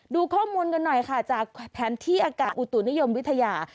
ดูข้อมูลกันหน่อยค่ะจากแผนที่อากาศอุตุนิยมวิทยา